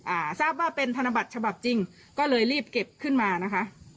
อ่าทราบว่าเป็นธนบัตรฉบับจริงก็เลยรีบเก็บขึ้นมานะคะ